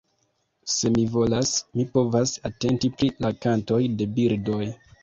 Se mi volas, mi povas atenti pri la kantoj de birdoj.